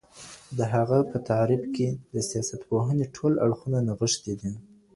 د هغه په تعريف کي د سياستپوهني ټول اړخونه نغښتي دي.